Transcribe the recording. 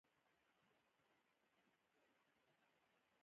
هلک له دروغو کرکه لري.